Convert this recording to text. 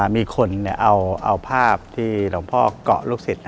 มีคนเอาภาพที่หลวงพ่อเกาะลูกศิษย